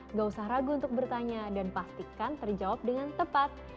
nggak usah ragu untuk bertanya dan pastikan terjawab dengan tepat